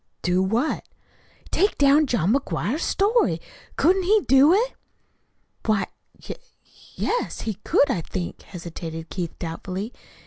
"Do what?" "Take down John McGuire's story. Couldn't he do it?" "Why, y yes, he could, I think," hesitated Keith doubtfully.